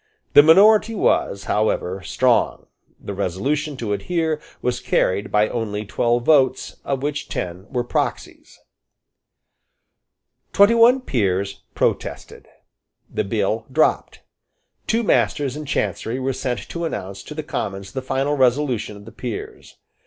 The minority was, however, strong. The resolution to adhere was carried by only twelve votes, of which ten were proxies, Twenty one Peers protested. The bill dropped. Two Masters in Chancery were sent to announce to the Commons the final resolution of the Peers.